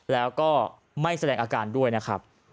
แล้วก็ไม่แสดงอาการด้วยนะครับ